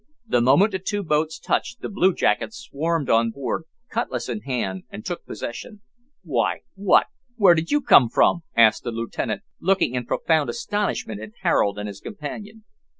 The moment the two boats touched, the blue jackets swarmed on board, cutlass in hand, and took possession. "Why, what! where did you come from?" asked the lieutenant, looking in profound astonishment at Harold and his companion.